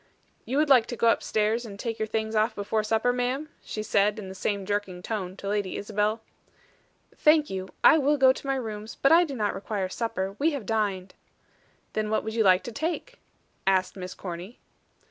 "You would like to go upstairs and take your things off before upper, ma'am?" she said, in the same jerking tone to Lady Isabel. "Thank you. I will go to my rooms, but I do not require supper. We have dined." "Then what would you like to take?" asked Miss Corny.